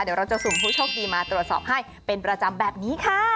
เดี๋ยวเราจะส่งผู้โชคดีมาตรวจสอบให้เป็นประจำแบบนี้ค่ะ